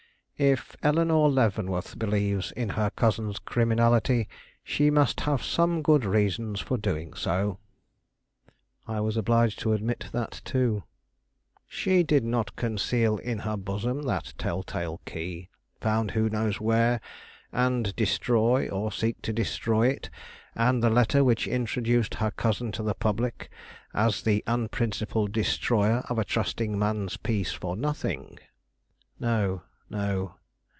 "If Eleanore Leavenworth believes in her cousin's criminality, she must have some good reasons for doing so." I was obliged to admit that too. "She did not conceal in her bosom that telltale key, found who knows where? and destroy, or seek to destroy, it and the letter which introduced her cousin to the public as the unprincipled destroyer of a trusting man's peace, for nothing." "No, no."